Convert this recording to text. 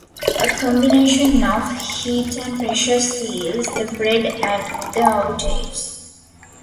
A combination of heat and pressure seals the bread at the outer edges.